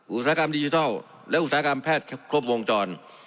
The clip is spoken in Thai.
อุตสาหกรรมดิจิทัลและอุตสาหกรรมแพทย์ครบวงจร